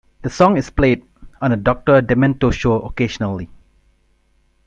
The song is played on the Doctor Demento show occasionally.